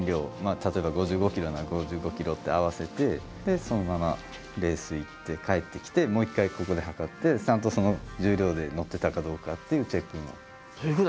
例えば５５ｋｇなら５５ｋｇって合わせてそのままレース行って帰ってきてもう一回ここで量ってちゃんとその重量で乗ってたかどうかっていうチェック。